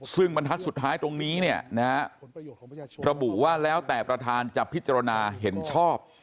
ซึ่งบรรทัดสุดท้ายตรงนี้ระบุว่าแล้วแต่ประธานจะพิจารณาเห็นชอบ